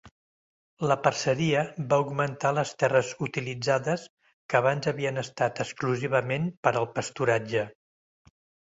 La parceria va augmentar les terres utilitzades que abans havien estat exclusivament per al pasturatge.